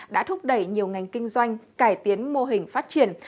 đã thúc đẩy nhiều ngành kinh doanh cải tiến mô hình phát triển